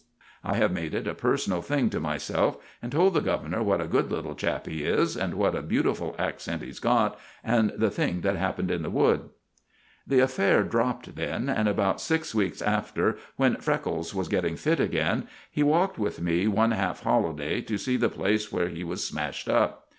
I have made it a personal thing to myself, and told the guv'nor what a good little chap he is, and what a beautiful accent he's got, and the thing that happened in the wood." The affair dropped then, and about six weeks after, when Freckles was getting fit again, he walked with me one half holiday to see the place where he was smashed up.